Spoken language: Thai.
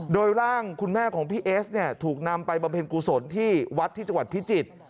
โดยร่างคุณแม่ของพี่เอสเนี่ยถูกนำไปบำเพ็ญกุศลที่วัดที่จังหวัดพิจิตร